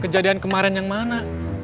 kejadian kemarin yang mana